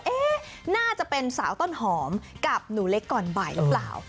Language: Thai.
น่าจะเป็นสาวต้นหอมกับหนูเล็กก่อนบ่ายหรือเปล่า